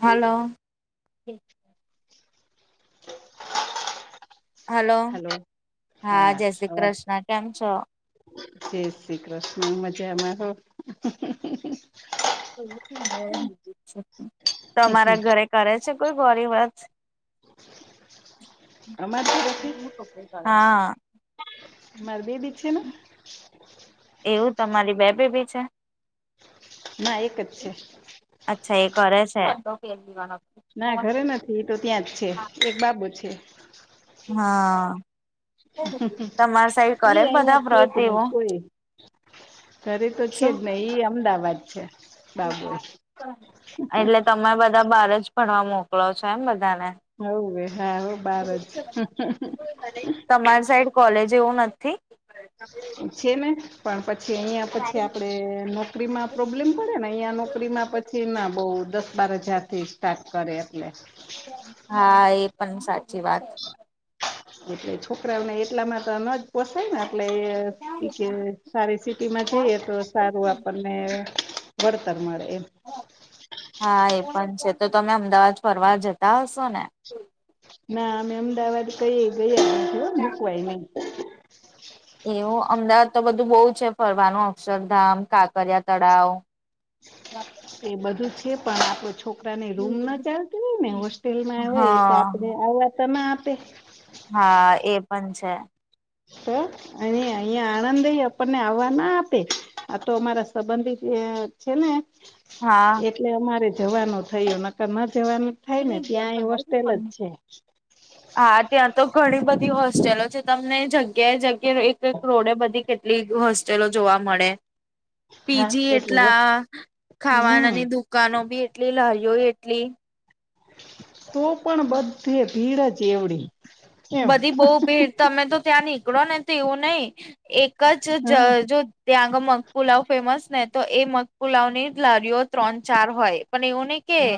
Hello. Hello. હા જય શ્રી કૃષ્ણ. કેમ છો? જય શ્રી કૃષ્ણ. મજા માં. તમારા ઘરે કરે છે કોઈ ગોરી વાત? અમાર. બે હા અમાર બે બી છે ને એવું તમારી બે બેબી છે? ના એક જ છે. અચ્છા એ કરે છે. ના ઘરે નથી એ તો ત્યાં જ છે એક બાબુ છે. હા. તમારી સાઈડ એ કરે બધા અહિયાં છે જ વ્રત નહી એવું કોઈ. ઘરે તો છે શું? જ નને ઈ અમદાવાદ છે. બાબુ એ એટલે તમે બધા બાર જ ભણવા મોકલો છો. એમ બધાને. હવવે હા હ બાર જ. તમારી સાઈડ કોલેજ એવું નથી? છે ને પણ પછી અહિયાયા પછી આપડે નોકરીમાં પ્રોબ્લેમ મળે ને અહંયા નોકરીમાં પછી ના બઉ દસ બાર હજાર થી સ્ટાર્ટ કરે એટલે હા એ પણ સાચી વાત. એટલે છોકરાઓને એટલામાં તો ન જ પોસાય ને એટલે. સારી સિટીમાં જઈએ તો સારું આપણને વરતાર મળે એમ. હા એ પણ છે તો તમે અમદાવાદ ફરવા જતા હશો ને? ના અમે અમદાવાદ કઈ એ ગયા નથી મૂકવાય નહી. [inaudible] એવું અમદાવાદ તો બધું બહુ છે ફરવાનું અક્ષરધામ, કાંકરિયા તળાવ. એ બધું છે પણ આપડો છો આપડાને રૂમ ના ચાલતી હોય ને હોસ્ટેલમાં આવેય એ તો હા આપણે આવવા તો ના આપે હા એ પણ છે શુ અને અહિયા આણંદેય આપણને આવવા ના આપે આ તો અમારા સંબંધી છે છેને હા એટલે અમારે જવાનું થયું નકર ન જવાનું થાય ને ત્યાં એ હોસ્ટેલ જ છે હા ત્યાં તો ઘણી બધી હોસ્ટેલો છે તમને જ [unintelligible] એ એક એક રોડે બધી કેટલી હોસ્ટેલો જોવા મળે હા પીજી એટલે એટલા હમ ખાવાનાની દુ કાનો બી એટલી લારીઓ એટલી તો પણ બધે ભીડ જ એવડી એમ બધી બહુ ભીડ તમે તો ત્યાં નીકળો ને તો એવું નહીં એક જ જ હા જો ત્યાં આગળ મગપુલાવ ફેમસ ને તો એ મગપુલાવની જ લારીઓ ત્રણ ચાર હોય પણ એવું નહી કે હા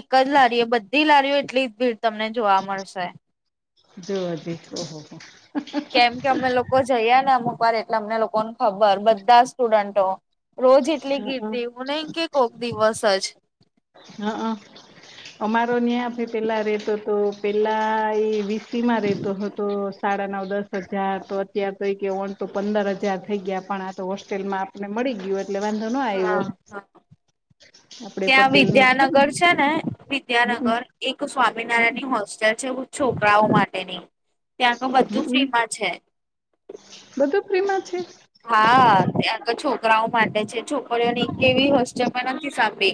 એક જ લારી એ બધી લારીઓ એટલી જ ભીડ તમને જોવા મળશે જો જ ઓહોહ કેમ કે અમે લોકો જઈએ ને અમુક વાર એટલે અમને લોકોને ખબર બધા સ્ટુડન્ટો રોજ એટલી ગીરદી હઅ આવું નઈ કે કોક દિવસ જ હ અ અમારો ન્યા આપે પેલા રેતો હતો પેલા એ વીસી માં રેતો હતો તો સાડા નવ દસ હજાર તો અત્યાર તો કે ઓન તો પંદર હજાર થઈ ગયા પણ આ તો હોસ્ટેલમાં મળી ગયો એટલે વાંધો ના હા આવ્યો હા આપડે પણ ત્યાં વિદ્યાનગર છે ને વિદ્યાનગર એક સ્વામિનારાયણ ની હોસ્ટેલ છે છોકરાઓ માટેની ત્યાં તો બધું હમ્મ ફ્રીમાં છે બધું ફ્રીમાં છે હા ત્યાં તો છોકરાઓ માટે છે છોકરીઓની કેવી હોસ્ટેલ મળે ન કે બે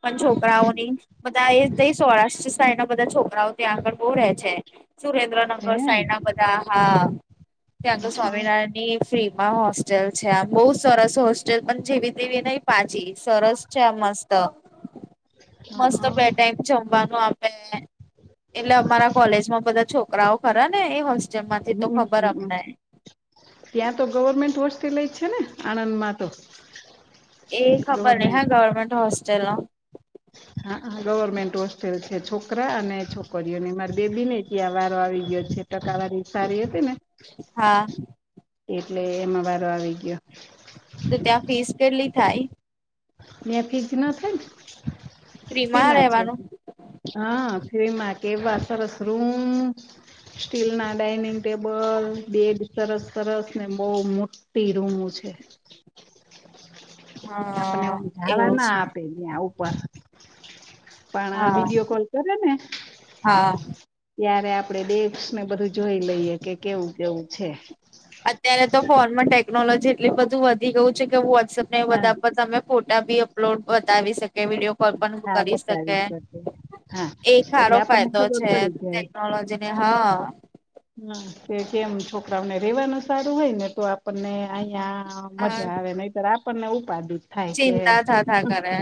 પણ છોકરાઓની હમ બધા એ તહીં સૌરાષ્ટ્ર સાઇડ ના બધા છોકરાઓ ત્યાં આગળ બહું રહે છે હે સુરેન્દ્રનગર સાઇડ ના બધા હા ત્યાં તો હઅ સ્વામિનારાયણ એની ફ્રી માં હોસ્ટેલ છે આમ બહુ સરસ હોસ્ટેલ પણ જેવી તેવી નહીં પાછી સરસ છે આ મસ્ત તો મસ્ત હઅ બે ટાઈમ જમવાનું આપે એટલે અમારા કોલેજમાં બધા છોકરાઓ ખરા ને એ હોસ્ટેલ માંથી તો હમ ખબર હમ અમને ત્યાં તો ગવર્મેન્ટસ રુલ્સ થી લય છે ને આણંદમાં તો એ ખબર નહીં ગવર્મેન્ટ હા ગવર્મેન્ટ હોસ્ટેલનું હાા ગવર્મેન્ટ હોસ્ટેલ છે છોકરા અને છોકરીઓને મારે બેબી ને ત્યાં વારો આવી ગયો છે ટકાવારી સારી હતી ને હા એટલે એમાં વારો આવી ગયો તો ત્યાં ફીસ કેટલી થાય ત્યાં ફી નથી ને ફ્રી ફ્રીમાં માં છે રહેવાનું હા ફી માં કેવા સરસ રુંમ સ્ટીલ ના ડઇનિંગ ટેબલ બેડ સરસ સરસ ને બહું મો પેરુ રુંમું છે હ આપને ઉ એવું જાવા ના છે આપે ત્યાં ઉપર પણ હા વિડીયો કોલ કરે ને હા ત્યારે આપડે ડેકશ ને બધું જોઈ લઈએ કે કેવું કેવું છે અત્યારે તો ફોનમાં ટેકનોલોજી એટલી બધું વધી ગયું છે કે વોટ્સપ ને એ હા બધા તમે ફોટા ભી અપલોડ બતાવી શકે વિડીયો કોઇ પણ હા કરી શકે બતાવીશ બધું. હા એક એટલે હારો આપણને ફાયદો ખબર છે પડી ટેકનોલોજી ને હ હા કે કેમ છોકરાઓને રેવાનું સારું હોય ને તો આપણને અયા મઝા આવે નઈ તર આપણ ને ઉપાદી ચિંતા થા થા કરે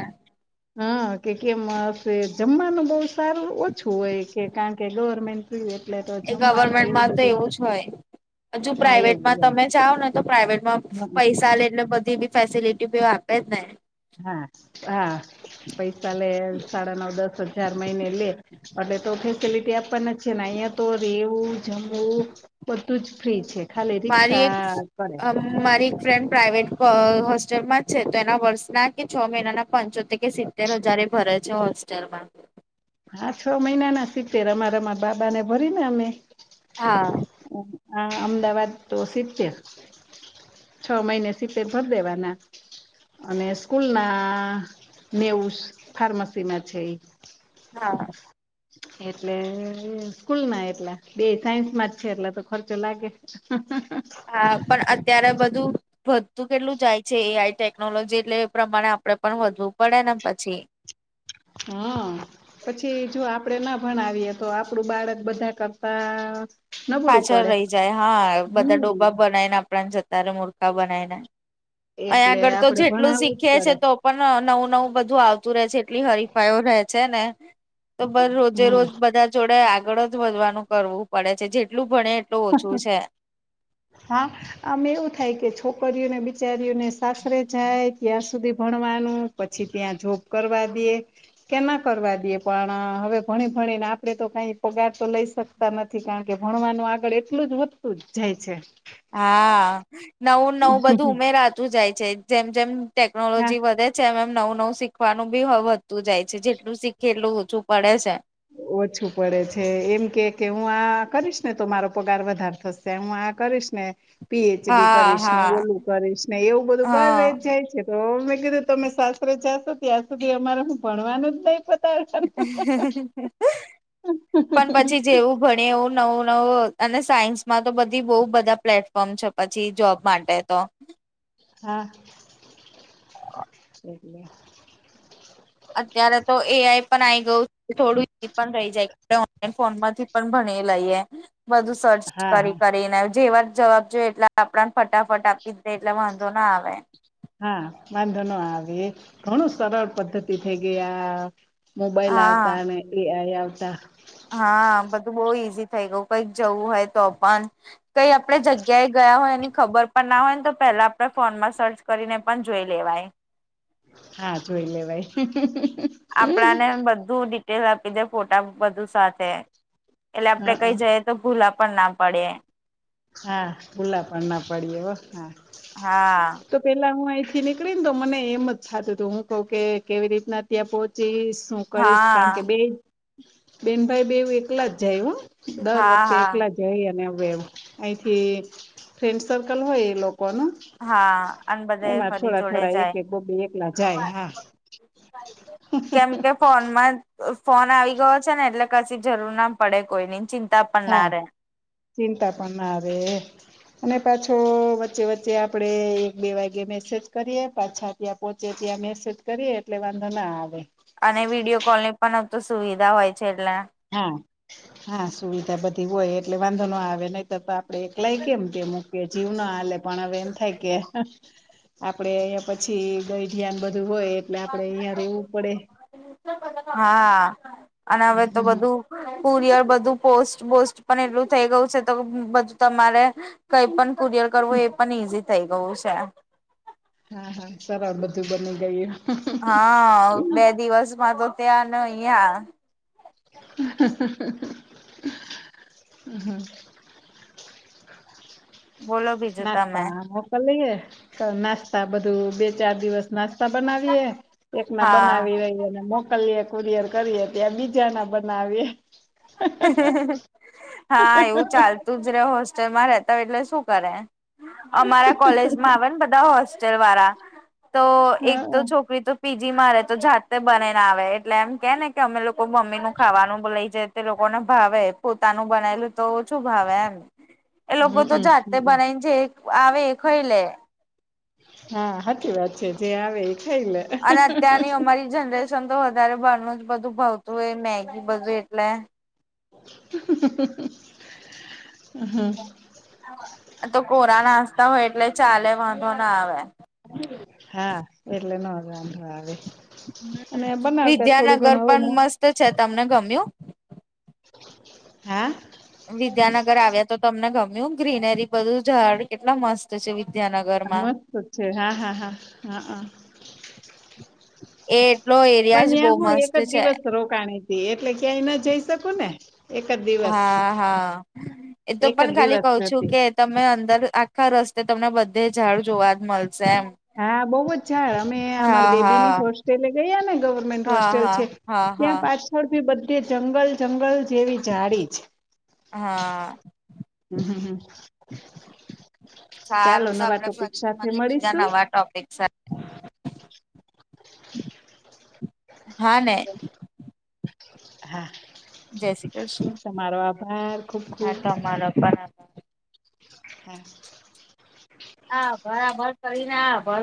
હા કે કેમ હસે જમવાનું બઉ સારું ઓછું હોય કે કારણ કે ગવર્મેન્ટ એટલે તો જમવા માંતો એવું જ હોય હજુ હા એવું પ્રાાઈવેટમાં હોય. તમે જાઓ ને તો પ્રાાઈવેટ એમાં હમ પૈસા લે એટને બધી બી ફેસિલિટી બી આપે જ ને હા હા પૈસા લે સાડા નવ દસ હજાર મહિનેલે એટલે તો ફેસિલિટી આપાના જ છે ને અઇયાં તો રેવું જમવું બધું જ ફ્રી છે ખાલી મારી એક રિક્ષા કરે મારી એક ફ્રેન્ડ પ્રાાઈવેટ પ હોસ્ટેલમાં જ છે તો એના વર્ષના કે છ મહિનાના પંચોતેર કે સી તેર હજાર એ ભરે છે હોસ્ટેલમાં હા છ મહિના ના સિત્તેર અમારામા બાબાને ભરીને અમે હા આ અમદાવાદ તો સિત્તેર છ મહીને સીતેર ભર દેવાના અને સ્કૂલના નેવુંસ ફાર્મસીમાં છે એ હા એટલે સ્કૂલ ના એટલા બે સાયન્સ માં જ છે એટલે તો ખર્ચો લાગે [unintelligible] હા પણ અત્યારે બધું વધતું કેટલું જાય છે એ આઈ ટેકનોલોજી એટલે એ પ્રમાણે આપડે પણ વધવું પડે ને પછી હા પછી જો આપડે ના ભણાવીએ તો આપડું બાળક બધા કરતા નબળું પાછળ પડે રઇ જાય હા બધા હમ ડોબા બનાઇને આપણાને જતા રે મૂર્ખા બનાઈને અઇયા એટલે આગળ તો આપડે જેટલું ભણાવવું જ શીખીએ છે પડે તો પણ નવું નવું બધું આવતું રે છે એટલી હરીફાઈ રે છે ને તો બર રોજે હમ રોજ બધા જોડે આગળ જ વધવાનું કરવું પડે છે જેટલું ભણે એટલું ઓછું છે. હા આમ એવું થાય કે છોકરીઓને બિચારીઓને સાસરે જાય ત્યાં સુધી ભણવાનું પછી ત્યાં જોબ કરવા દે કેના કરવા દઈએ પણ હવે ભણી ભણી ને આપડે તો કઈ પગાર તો લઈ શક તા નથી કારણ કે ભણવાનું આગળ એટલું જ વધતું જ જાય છે હા નવું નવું બધું ઉમેરાતું જાય છે જેમ જેમ હા ટેકનોલોજી વધે છે એમ એમ નવું નવું શીખવાનું બી હ વધતું જાય છે જેટલું શીખે એટલું ઓછું પડે છે ઓછું પડે છે એમ કે કે હું આ કરીશ ને તો મારો પગાર વધારે થશે હું આ કરીશ ને પીએચડી હા કરીશ ને હા ઓલું કરીશ ને એવું બધું કર રે હા જ જાય છે. તો મેં કીધું તમે સાસરે જાશો ત્યાં સુધી અમારે હું ભણવાનું જ નહીં પત પણ પછી જેવું ભણીએ એવું નવું નવું અને સાયન્સ માં તો બધી બહુ બધા પ્લેટફોર્મ છે. પછી જોબ માટે તો હા [unintelligible] અત્યારે તો એઆઈ પણ આઈ ગયું થોડું પણ થઈ જાય ઓન ફોનમાંથી પણ ભણી લઈએ બધું સર્ચ હા કરી હા કરીને જેવા જવાબ જો એટલા આપડાને ફટાફટ આપી દે એટલે વાંધો ના આવે હા વાંધો ન આવે ઘણું સરળ પદ્ધતિ થઈ ગયા મોબાઈલ હા આવતા અને એઆઈ આવતા હા બધું બહુ ઈઝી થઈ ગયું કંઈક જવું હોય તો પણ કઈ આપડે જગ્યાએ ગયા હોય એની ખબર પણ ના હોય ને તો પહેલા આપણે ફોનમાં સર્ચ કરીને પણ જોઈ લેવાય‌. હા જોઈ લેવાય આપણાને બધું ડિટેલ આપી દે ફોટા બધું સાથે એટલે આપડે હા કઈ જઈ તો ભૂલા પણ ના પડયા હા ભૂલા પણ ના પડીયે ઓ હા હા તો પેલા હું અહીં થી નીકળી ને તો મને એમ જ થતું હતું હું કઉ કે કેવી રીતના ત્યાં પહોંચીશ? શું કરીશ હા કારણ કે બે બેન ભાઈ બેવું એકલા જ જાય હો દર હા વખતે હા એકલા જઈ અને હવે એ અહીંથી ફ્રેન્ડ સર્કલ હોય એ લોકોનું હા અન બધે એમાં ફરી થોડા જોડે થોડા એક એક બબે એકલા જાય જાય હા કેમ કેમ? ફોનમાં ફોન આવી ગયો છે ને એટલે કશી જરૂર ના પડે કોઈની ચિંતા પણ ના હા રહેે. ચિંતા પણ ના રે અને પાછો વચ્ચે વચ્ચે આપણે એક બે વાગ્યે મેસેજ કરીએ પાછા. ત્યાં પહોંચે ત્યાં મેસેજ કરીએ એટલે વાંધો ના આવે. અને વિડિયો કોલ ની પણ તો સુવિધા હોય છે એટલે હા હા સુવિધા બધી હોય એટલે વાંધો ન આવે નહીંતર તો આપડે એકલાય કેમ? કે મૂકી જીવ ના હાલે પણ હવે એમ થાય કે આપડે પછી ગઈ ધ્યાન બધું હોય એટલે આપડે અહિયાં રેવું પડે. [unintelligible] હા અને હવે તો બધું કુરિયર બધું પોસ્ટ બોસ્ટ પણ એટલું થઈ ગયું છે તો બધું તમારે કઈ પણ કુરિયર કરવું એ પણ ઈઝી થઇ ગયું છે. હા હા સર બધું બની ગયું. હા બે દિવસમાં તો ત્યાં ન અહીંયા [unintelligible] બોલો બી નાસ્તા મોકલ લઈએ નાસ્તા બધું બે ચાર દિવસ નાસ્તા તા બનાવીએ એક ના હા બનાવી રહીને મો [unintelligible] કુરિયર કરીએ ત્યાં બીજા ના બનાવીએ. હા એવું ચાલતું જ રે હોસ્ટેલમાં રેતા હોય એટલે શું કરે? અમારા કોલેજમાં આવે ને બધા હોસ્ટેલ વાળા તો એક તો હા છોકરી તો પીજી મા રે તો જાતે બનાઈને આવે એટલે એમ કે ને કે અમે લોકો મમ્મી નું ખાવાનું લઈ જ તે લોકોને ભાવે પોતાનું બનાયલું. તો શું ભાવે એમ એ લોકો તો જાતે હમમ બનાવીને જે આવે એ ખઈ લે હા સાચી વાત છે જે આવે એ ખાઈ લે અને અત્યારની અમારી જનરેશન તો વધારે બહાર નુજ બધું ભાવતું હોય મેગી બધું એટલે હમ. તો કોરા નાસ્તા હોય એટલે ચાલે વાંધો ના આવે હા એટલે નોંધ વાંધો આવે હમ અને બનાવતા થોડું વિદ્યાનગર ઘણું હવે પણ મસ્ત છે તમને ગમ્યું. હા. વિદ્યાનગર આવ્યા તો તમને ગમ્યું ગ્રીનરી બધું ઝાડ કેટલા મસ્ત તો છે વિદ્યાનગર આ મસ્ત જ છે હા હા હા હા હા એ એટલો એરિયા જ બહુ પણ ત્યાં હું એક મસ્ત જ છે. દિવસ રોકાણી એટલે ક્યાંય ના જઈ શકું ને એક જ દિવસ હા હા એ તો એક પણ જ ખાલી દિવસ કઉ છું હતી કે તમે અંદર આખા રસ્તે તમને બધે ઝાડ જોવા જ મળશે એમ હા બહુજ ઝાડ અમે અમાર હા બેબી ની હા હોસ્ટેલે ગયા ને ગવર્મેન્ટ હા હોસ્ટેલ હા છે. હા. ત્યાં હા. પાછળ બી બધી જંગલ જંગલ જેવી જાડી છે. હા આ હમ હમ હ સારું તો આપડે પછી મલીએ બીજા મળીશું નવા ટોપિક સાથે હા ને હા જય શ્રી કૃષ્ણ તમારો આભાર ખુબ હા ખુબ તો અમારા પપ્પાના હા. હા ભરા ભર કરીને ભર